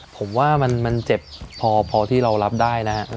ผมว่ามันเจ็บพอที่เรารับได้นะครับ